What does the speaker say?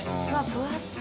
分厚い。